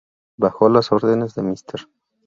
Bajo las órdenes de Mr.